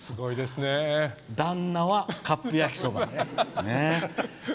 旦那はカップ焼きそば」ね。